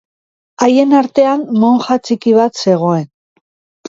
Haien artean monja txiki bat zegoen.